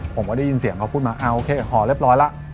ผมก็ได้ยินเสียงเขาพูดมาโอเคห่อเรียบร้อยแล้ว